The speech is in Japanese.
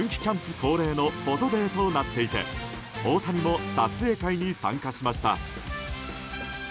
恒例のフォトデーとなっていて大谷も撮影会に参加しました。